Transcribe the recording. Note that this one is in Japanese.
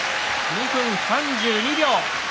２分３２秒。